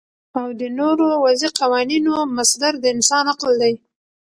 او د نورو وضعی قوانینو مصدر د انسان عقل دی